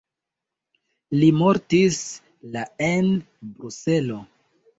Li mortis la en Bruselo.